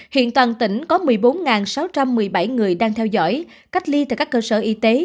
hiện toàn tỉnh có một mươi bốn sáu trăm một mươi bảy người đang theo dõi cách ly tại các cơ sở y tế